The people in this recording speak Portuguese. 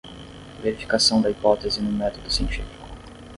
Verificação da hipótese no método científico